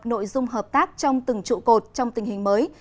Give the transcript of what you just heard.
nội dung hợp tác trong từng trụ cột trong tình hình mới